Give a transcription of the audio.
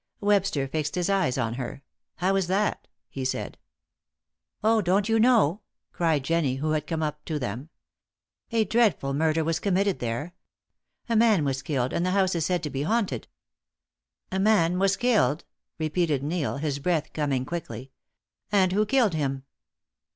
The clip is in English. Webster fixed his eyes on her. "How is that?" he said. "Oh, don't you know?" cried Jennie, who had come up to them. "A dreadful murder was committed there! A man was killed, and the house is said to be haunted." "A man was killed?" repeated Neil, his breath coming quickly. "And who killed him?"